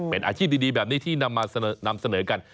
เป็นอาชีพดีแบบนี้ที่นำมานำเสนอกัน